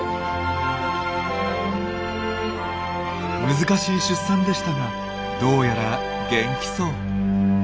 難しい出産でしたがどうやら元気そう。